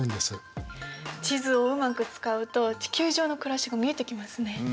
地図をうまく使うと地球上の暮らしが見えてきますね。